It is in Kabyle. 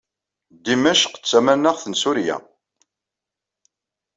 Dimecq d tamanaɣt n Surya.